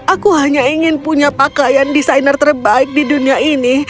aku hanya ingin punya pakaian desainer terbaik di dunia ini